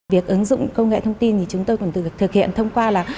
việc ứng dụng công nghệ thông tin thì chúng tôi còn thực hiện thông qua là